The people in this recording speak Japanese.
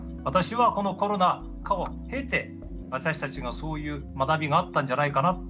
私はこのコロナ禍を経て私たちがそういう学びがあったんじゃないかな。